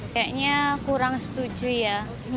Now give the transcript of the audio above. kayaknya kurang setuju ya